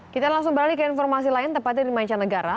kita langsung beralih ke informasi lain tepatnya di mancanegara